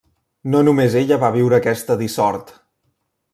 No només ella va viure aquesta dissort.